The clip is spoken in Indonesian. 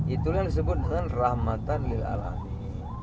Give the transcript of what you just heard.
itulah yang disebut dengan rahmatan lil'alamin